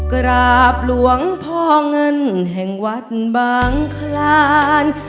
กราบหลวงพ่อเงินแห่งวัดบางคลาน